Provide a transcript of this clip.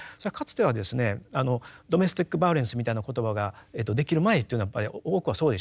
ドメスティックバイオレンスみたいな言葉ができる前というのはやっぱり多くはそうでしたよね。